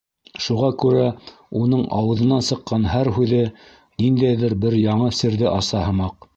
Шуға күрә уның ауыҙынан сыҡҡан һәр һүҙе ниндәйҙер бер яңы серҙе аса һымаҡ.